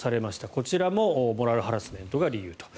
こちらもモラルハラスメントが理由と。